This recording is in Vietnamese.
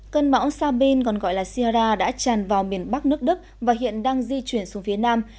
cơn bão sabin còn gọi là siara đã tràn vào miền bắc nước đức và hiện đang di chuyển xuống phía nam